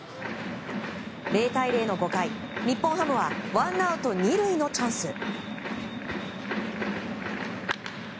０対０の５回、日本ハムはワンアウト２塁のチャンス。